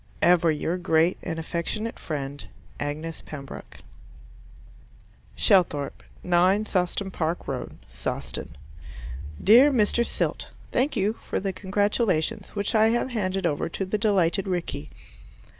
Ever your grateful and affectionate friend, Agnes Pembroke Shelthorpe, 9 Sawston Park Road Sawston Dear Mr. Silt, Thank you for the congratulations, which I have handed over to the delighted Rickie.